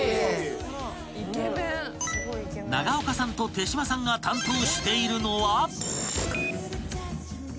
［永岡さんと手島さんが担当しているのは］